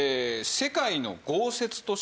世界の豪雪都市？